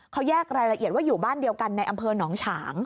เขาแยกรายละเอียดว่าอยู่บ้านเดียวกันในอำเภอหนองฉาง